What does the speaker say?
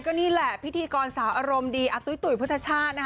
ก็นี่แหละพิธีกรสาวอารมณ์ดีอาตุ้ยตุ๋ยพุทธชาตินะคะ